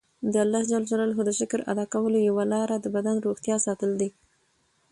د الله ج د شکر ادا کولو یوه لاره د بدن روغتیا ساتل دي.